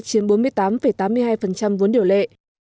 chiếm bốn mươi tám tám mươi hai vốn điều lệ